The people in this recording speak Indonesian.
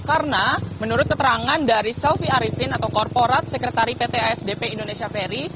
karena menurut keterangan dari selvi arifin atau korporat sekretari pt asdp indonesia ferry